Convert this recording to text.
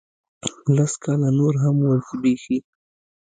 لس کاله نور هم وزبیښي